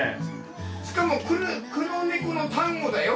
しかも黒猫のタンゴだよ。